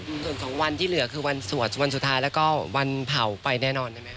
ส่วนของวันที่เหลือคือวันสวดวันสุดท้ายแล้วก็วันเผาไปแน่นอนใช่ไหมค